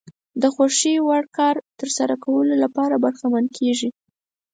د خوښې وړ کار ترسره کولو لپاره برخمن کېږي.